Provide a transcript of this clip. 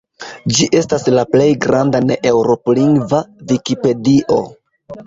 Ĝi estas la plej granda ne-eŭroplingva vikipedio.